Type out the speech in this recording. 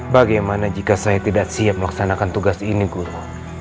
bagaimana jika saya tidak siap melaksanakan tugas ini guru